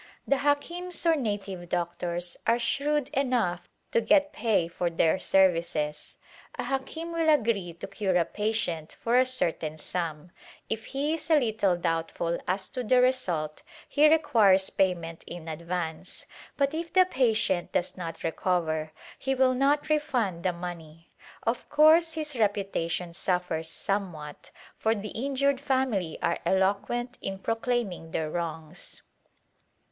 The Hakims or native doctors are shrewd enough to get pay for their services. A hakim will agree to cure a patient for a certain sum ; if he is a little doubtful as to the result he requires payment in ad vance, but if the patient does not recover he will not refund the money ; of course his reputation suffers somewhat, for the injured family are eloquent in pro claiming their wrongs.